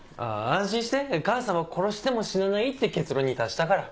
安心して母さんは殺しても死なないって結論に達したから。